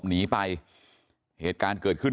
หนีไปเหตุการณ์เกิดขึ้น